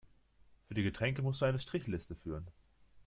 Für die Getränke muss du eine Strichliste führen.